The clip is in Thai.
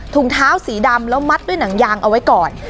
ถุงเท้าสีดำแล้วมัดด้วยหนังยางเอาไว้ก่อน